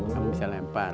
kamu bisa lempar